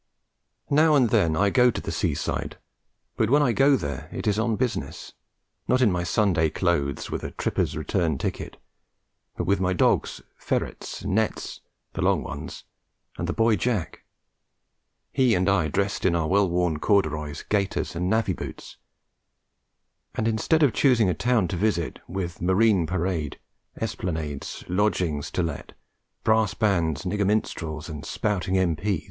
Now and then I go to the sea side, but when I go there it is on business not in my Sunday clothes and with a "tripper's" return ticket, but with my dogs, ferrets, nets (the long ones) and the boy Jack; he and I dressed in our well worn corduroys, gaiters, and navvy boots; and instead of choosing a town to visit with Marine Parade, Esplanades, Lodgings to let, Brass Bands, Nigger Minstrels and spouting M.P.'